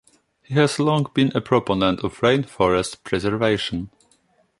He has long been a proponent of rain forest preservation.